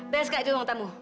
biasa sekali dukung tamu